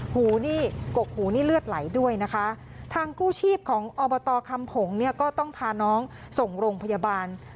หูนี่กกหูนี่เลือดไหลด้วยนะคะทางกู้ชีพของอบตคำผงเนี่ยก็ต้องพาน้องส่งโรงพยาบาล